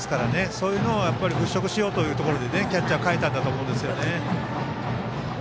そういうのを払拭しようというところでキャッチャーを代えたんだと思いますね。